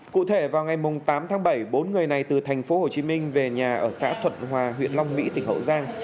cụ thể vào ngày tám tháng bảy bốn người này từ tp hcm về nhà ở xã thuận hòa huyện long mỹ tỉnh hậu giang